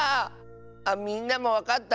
みんなもわかった？